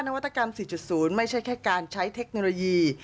นวัตกรรม๔๐ไม่ใช่แค่การใช้เทคโนโลยี